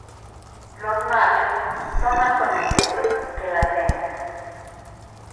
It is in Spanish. Los machos son más corpulentos que las hembras.